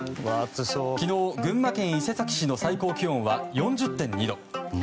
昨日、群馬県伊勢崎市の最高気温は４０．２度。